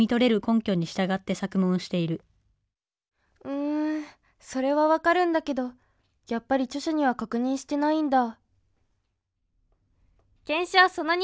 うんそれは分かるんだけどやっぱり著者には確認してないんだ